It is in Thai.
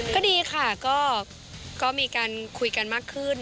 ก็ดีค่ะก็มีการคุยกันมากขึ้น